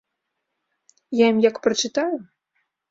Я ім як прачытаю!